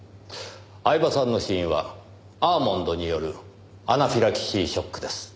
饗庭さんの死因はアーモンドによるアナフィラキシーショックです。